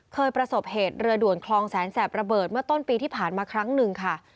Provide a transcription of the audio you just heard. เคยประสบเหตุเรือด่วนคลองแสนแสบระเบิดเมื่อต้นปีที่ผ่านมาครั้งหนึ่งค่ะ